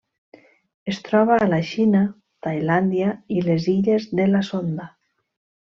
Es troba a la Xina, Tailàndia i les Illes de la Sonda.